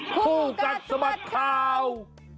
คู่กัดสะบัดข่าว